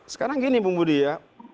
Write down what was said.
sekarang gini bung budi ya